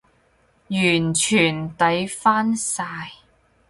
完全抵返晒